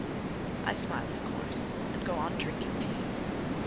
I smile, of course, And go on drinking tea.